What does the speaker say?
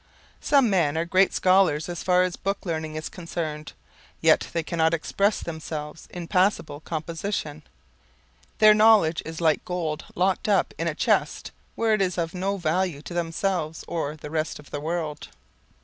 Some men are great scholars as far as book learning is concerned, yet they cannot express themselves in passable composition. Their knowledge is like gold locked up in a chest where it is of no value to themselves or the rest of the world.